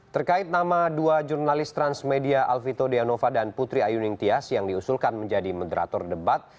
terkait nama dua jurnalis transmedia alvito deanova dan putri ayu ningtyas yang diusulkan menjadi moderator debat